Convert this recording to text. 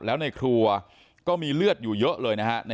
แล้วในครัวก็มีเลือดอยู่เยอะเลยนะฮะ